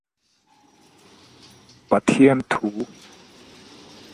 Reportedly, he had twenty six children.